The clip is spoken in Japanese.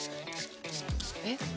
えっ。